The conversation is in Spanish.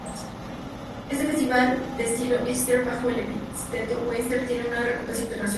Este festival de estilo Eastern, bajo el epíteto Western, tiene una reputación internacional.